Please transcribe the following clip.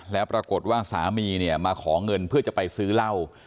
แล้วปรากฏว่าสามีเนี่ยมาขอเงินเพื่อจะไปซื้อเหล้า